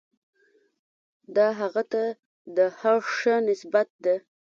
دا هغه ته د هر ښه نسبت ده.